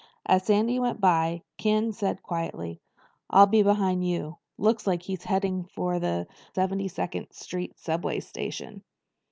As Sandy went by, Ken said quietly, "I'll be behind you. Looks like he's heading for the Seventy second Street subway station."